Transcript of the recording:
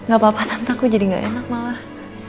gak apa apa tante jadi gak enak malah